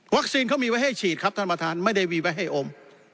เขามีไว้ให้ฉีดครับท่านประธานไม่ได้มีไว้ให้อม